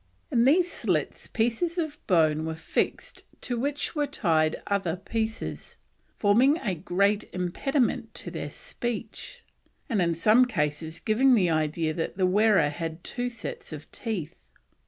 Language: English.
In these slits pieces of bone were fixed to which were tied other pieces, forming a great impediment to their speech, and in some cases giving the idea that the wearer had two sets of teeth.